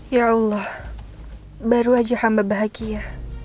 ya allah baru aja hamba bahagia